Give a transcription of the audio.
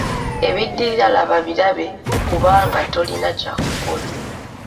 Ebiddirira laba birabe kubanga tolina kya kukola.